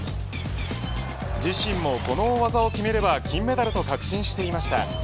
自身もこの大技を決めれば金メダルを確信していました。